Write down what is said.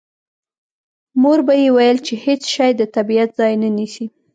مور به یې ویل چې هېڅ شی د طبیعت ځای نه نیسي